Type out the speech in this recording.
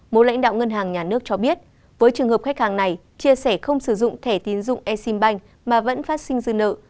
một lãnh đạo ngân hàng nhà nước cho biết với trường hợp khách hàng này chia sẻ không sử dụng thẻ tiến dụng exim bank mà vẫn phát sinh dư nợ